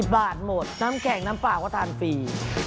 บาทหมดน้ำแข็งน้ำเปล่าก็ทานฟรี